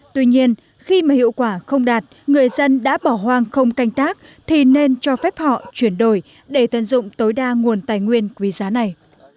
tuy nhiên khi mà hiệu quả không đạt người dân đã bỏ hoang không canh tác thì nên cho phép họ chuyển đổi để tận dụng tối đa nguồn tài nguyên quý giá này